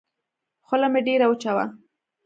خوله مې ډېره وچه وه.